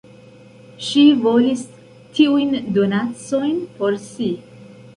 Ŝi volis tiujn donacojn por si.